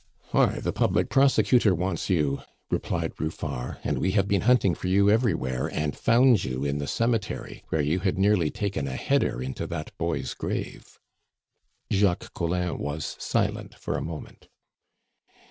"Why, the public prosecutor wants you," replied Ruffard, "and we have been hunting for you everywhere, and found you in the cemetery, where you had nearly taken a header into that boy's grave." Jacques Collin was silent for a moment.